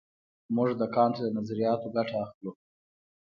موږ د کانټ له نظریاتو ګټه اخلو.